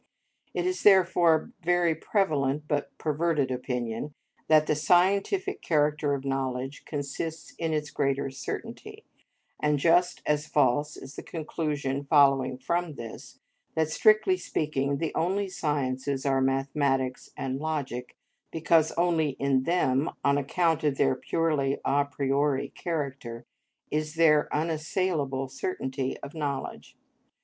It is therefore a very prevalent but perverted opinion that the scientific character of knowledge consists in its greater certainty, and just as false is the conclusion following from this, that, strictly speaking, the only sciences are mathematics and logic, because only in them, on account of their purely a priori character, is there unassailable certainty of knowledge.